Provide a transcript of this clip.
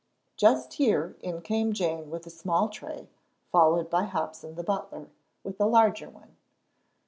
Just here in came Jane with a small tray, followed by Hobson, the butler, with a large one.